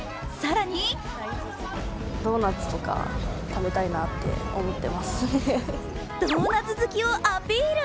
更にドーナツ好きをアピール。